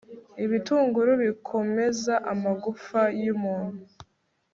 ibitunguru bikomeza amagufa y'umuntu